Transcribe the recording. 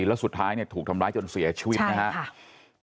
แล้วสุดท้ายเนี่ยถูกทำร้ายจนเสียชีวิตนะครับ